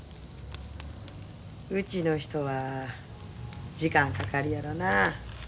うちの人は時間かかるやろな。